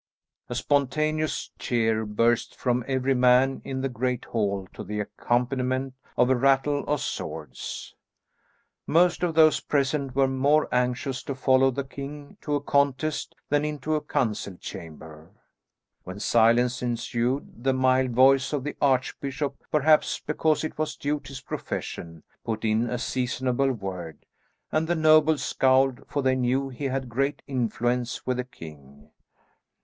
A spontaneous cheer burst from every man in the great hall to the accompaniment of a rattle of swords. Most of those present were more anxious to follow the king to a contest than into a council chamber. When silence ensued, the mild voice of the archbishop, perhaps because it was due to his profession, put in a seasonable word; and the nobles scowled for they knew he had great influence with the king.